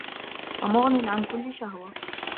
وَمُغْنٍ عَنْ كُلِّ شَهْوَةٍ